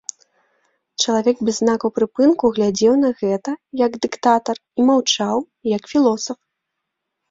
Чалавек без знакаў прыпынку глядзеў на гэта, як дыктатар, і маўчаў, як філосаф.